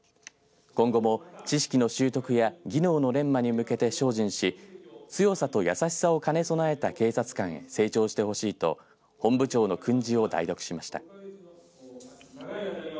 今後も知識の習得や技能の錬磨に向けて精進し強さと優しさを兼ね備えた警察官へ成長してほしいと本部長の訓示を代読しました。